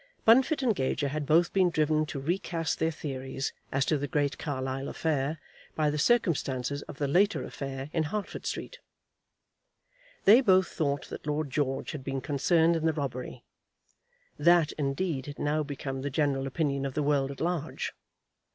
Bunfit and Gager had both been driven to recast their theories as to the great Carlisle affair by the circumstances of the later affair in Hertford Street. They both thought that Lord George had been concerned in the robbery; that, indeed, had now become the general opinion of the world at large.